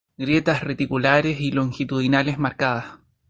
Grietas reticulares y longitudinales marcadas.